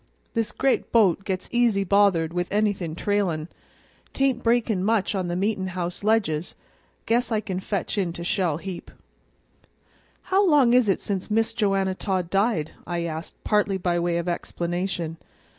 This gre't boat gets easy bothered with anything trailin'. 'Tain't breakin' much on the meetin' house ledges; guess I can fetch in to Shell heap." "How long is it since Miss Joanna Todd died?" I asked, partly by way of explanation.